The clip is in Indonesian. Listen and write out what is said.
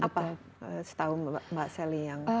apa setahun mbak sally yang